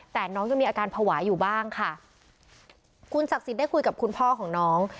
แต่น้องยังมีอาการภาวะอยู่บ้างค่ะคุณศักดิ์สิทธิ์ได้คุยกับคุณพ่อของน้อง